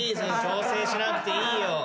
調整しなくていいよ。